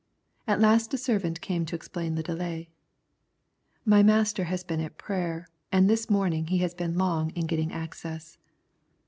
At last a servant came to explain the delay :' My master has been at prayer, and this morning he has been long in getting access.'